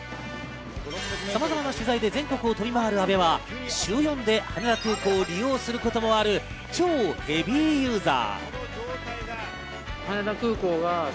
さまざまな取材で全国を飛び回る阿部は週４で羽田空港を利用することもある超ヘビーユーザー。